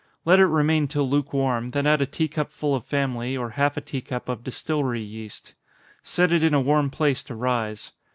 Let it remain till lukewarm, then add a tea cup full of family, or half a tea cup of distillery yeast. Set it in a warm place to rise.